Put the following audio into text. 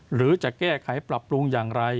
หรือจะแก้ไขปรับปรุงอย่างไร